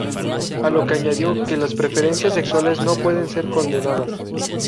A lo que añadió que las preferencias sexuales no pueden ser condenadas.